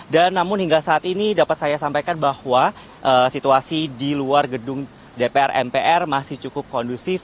dan namun hingga saat ini dapat saya sampaikan bahwa situasi di luar gedung dpr mpr masih cukup kondusif